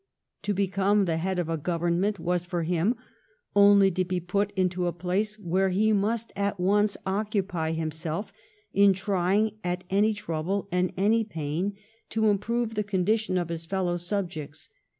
To become the head of a govern ment was for him only to be put into a place where he must at once occupy himself in trying, at any trouble and any pain, to improve the con dition of his fellow subjects.